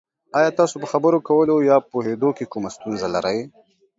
ایا تاسو په خبرو کولو یا پوهیدو کې کومه ستونزه لرئ؟